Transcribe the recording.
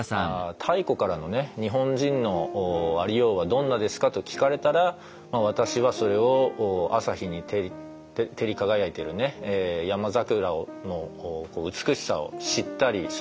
「太古からのね日本人のありようはどんなですか？」と聞かれたら私はそれを朝日に照り輝いてる山桜の美しさを知ったりする。